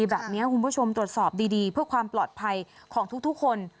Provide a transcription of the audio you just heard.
แบบนี้คุณผู้ชมตรวจสอบดีเพื่อความปลอดภัยของทุกคน